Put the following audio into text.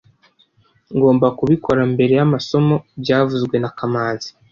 Ngomba kubikora mbere yamasomo byavuzwe na kamanzi